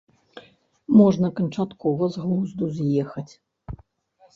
Можна канчаткова з глузду з'ехаць.